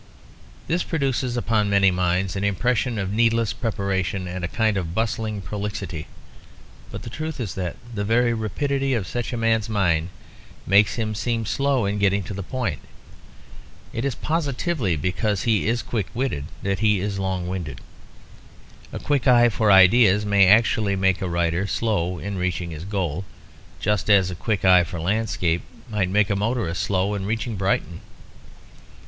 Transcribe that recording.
This produces upon many minds an impression of needless preparation and a kind of bustling prolixity. But the truth is that the very rapidity of such a man's mind makes him seem slow in getting to the point. It is positively because he is quick witted that he is long winded. A quick eye for ideas may actually make a writer slow in reaching his goal, just as a quick eye for landscapes might make a motorist slow in reaching Brighton.